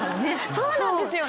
そうなんですよね。